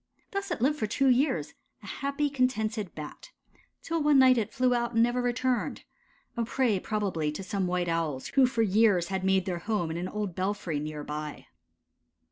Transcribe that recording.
Thus it lived for two years, a happy, contented Bat, till one night it flew out and never returned a prey probably to some White Owls who for years had made their home in an old belfry near by.